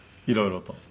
いろいろと？